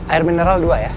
air mineral dua ya